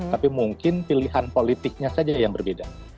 tapi mungkin pilihan politiknya saja yang berbeda